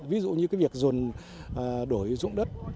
ví dụ như cái việc dồn đổi dụng đất